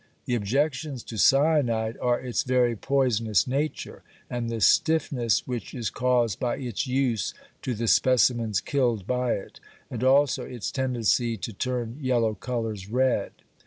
The objections to cyanide are its very poisonous nature, and the stiffness which is caused by its use to the specimens killed by it, and also its tendency to turn yellow colours red.